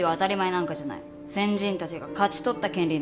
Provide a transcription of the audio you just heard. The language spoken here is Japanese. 先人たちが勝ち取った権利なんです。